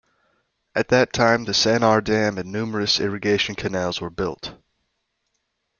At that time the Sennar Dam and numerous irrigation canals were built.